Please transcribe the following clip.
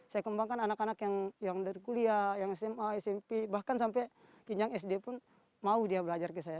saya kembangkan anak anak yang dari kuliah yang sma smp bahkan sampai kinjang sd pun mau dia belajar ke saya